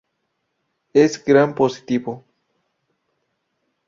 Es Gram-positivo.